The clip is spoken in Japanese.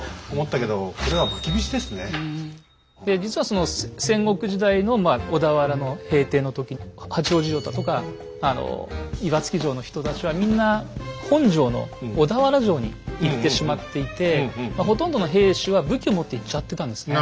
で実はその戦国時代の小田原の平定の時に八王子城だとかあの岩槻城の人たちはみんな本城の小田原城に行ってしまっていてまあほとんどの兵士は武器を持って行っちゃってたんですね。